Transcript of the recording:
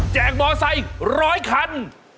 แจกเบาไซค์ร้อยคัน